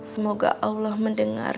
semoga allah mendengar